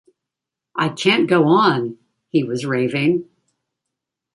"I can't go on," he was raving.